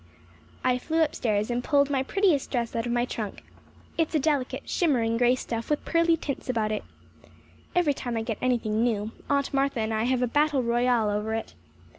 I flew upstairs and pulled my prettiest dress out of my trunk. It is a delicate, shimmering grey stuff with pearly tints about it. Every time I get anything new, Aunt Martha and I have a battle royal over it.